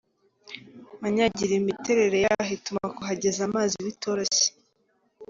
Manyagiro Imiterere yaho ituma kuhageza amazi bitoroshye